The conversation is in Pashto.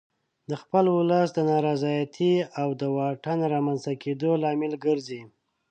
د خپل ولس د نارضایتي او د واټن رامنځته کېدو لامل ګرځي.